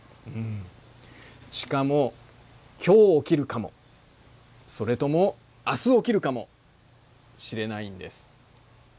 しかも今日起きるかもそれとも明日起きるかもしれないんです。